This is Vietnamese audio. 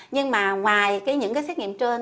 nhưng mà ngoài những cái xét nghiệm trên